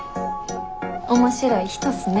面白い人っすね。